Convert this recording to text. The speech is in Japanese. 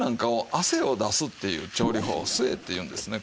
汗を出すっていう調理法を「スエ」っていうんですねこれを。